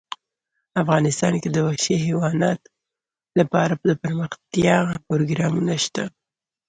افغانستان کې د وحشي حیوانات لپاره دپرمختیا پروګرامونه شته.